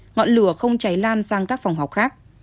ngọn lửa không cháy lan sang các phòng học khác